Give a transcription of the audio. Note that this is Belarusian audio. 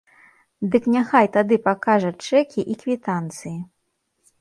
Дык няхай тады пакажа чэкі і квітанцыі.